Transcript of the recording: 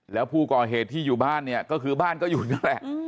แล้วผู้ก่อเหตุที่อยู่บ้านเนี่ยก็คือบ้านก็อยู่นั่นแหละ